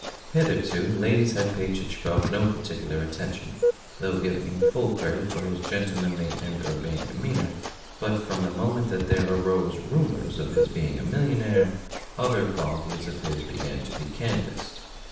Hitherto the ladies had paid Chichikov no particular attention, though giving him full credit for his gentlemanly and urbane demeanour; but from the moment that there arose rumours of his being a millionaire other qualities of his began to be canvassed.